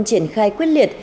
triển khai quyết liệt